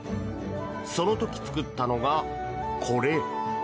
その時、作ったのがこれ！